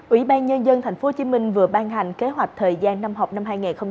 ủy ban nhân dân tp hcm vừa ban hành kế hoạch thời gian năm học năm hai nghìn một mươi chín hai nghìn hai mươi